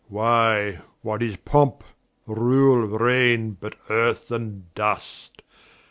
Why, what is Pompe, Rule, Reigne, but Earth and Dust?